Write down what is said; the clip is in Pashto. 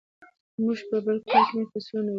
موږ به بل کال نوي فصلونه وکرو.